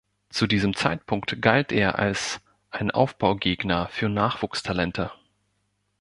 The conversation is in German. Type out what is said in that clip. Zu diesem Zeitpunkt galt er als ein Aufbaugegner für Nachwuchstalente.